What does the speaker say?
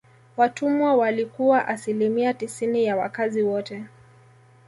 Watumwa walikuwa asilimia tisini ya wakazi wote